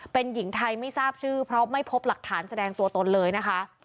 เป็นหญิงไทยไม่ทราบชื่อเพราะไม่พบหลักฐานแสดงตัวตนเลยนะคะ